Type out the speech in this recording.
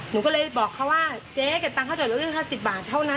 หนูก็เลยบอกเขาว่าเจ๊เก็บตังค์ค่าจอดรถด้วย๕๐บาทเท่านั้น